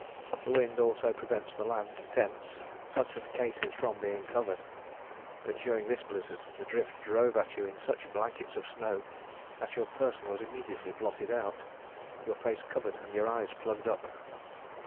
The wind also prevents the land, tents, hut and cases from being covered. But during this blizzard the drift drove at you in such blankets of snow, that your person was immediately blotted out, your face covered and your eyes plugged up.